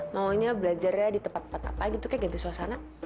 maunya belajarnya di tempat tempat apa gitu ke ganti suasana